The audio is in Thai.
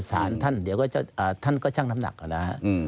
สารท่านเดี๋ยวท่านก็ช่างน้ำหนักก่อนนะฮะ